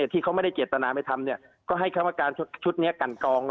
ที่เขาไม่ได้เจตนาไม่ทำก็ให้คำการชุดนี้กันกอง